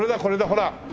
ほら。